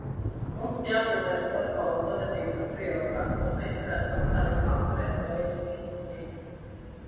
Mums jāpadara starpvalstu sadarbība par prioritāti, lai mēs varētu pastāvīgi apturēt vēža izplatību.